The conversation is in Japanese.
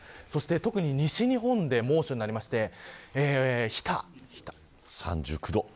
特に西日本で猛暑になりまして日田市、３９度。